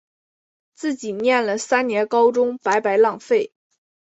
自己念了三年高中白白浪费